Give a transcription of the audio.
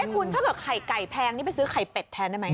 คุณถ้าเกิดไข่ไก่แพงนี่ไปซื้อไข่เป็ดแทนได้ไหม